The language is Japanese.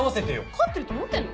勝ってると思ってんの？